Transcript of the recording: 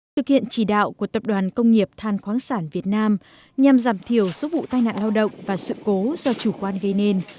thực hiện chỉ đạo của tập đoàn công nghiệp than khoáng sản việt nam nhằm giảm thiểu số vụ tai nạn lao động và sự cố do chủ quan gây nên